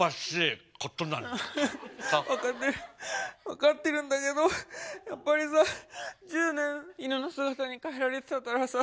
分かってるんだけどやっぱりさ１０年犬の姿に変えられてたからさ